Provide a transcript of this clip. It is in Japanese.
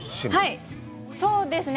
はい、そうですね。